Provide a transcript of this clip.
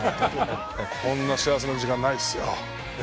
こんな幸せな時間ないですよ。